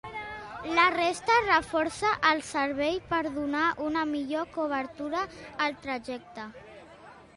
La resta reforça el servei per donar una millor cobertura al trajecte.